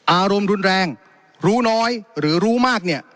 อารมณ์รุนแรงรู้น้อยหรือรู้มากเนี่ย